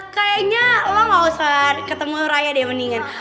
kayaknya lo gak usah ketemu raya deh mendingan